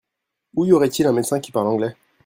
Où y aurait-il un médecin qui parle anglais ?